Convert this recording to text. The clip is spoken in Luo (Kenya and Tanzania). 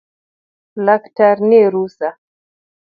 Laktar nie rusaa